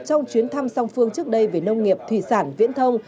trong chuyến thăm song phương trước đây về nông nghiệp thủy sản viễn thông